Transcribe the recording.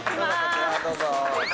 こちらどうぞ。